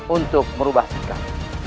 untuk merubah sifat